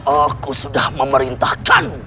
aku sudah memerintahkan